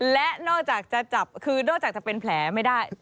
และนอกจากเป็นแผลไม่ได้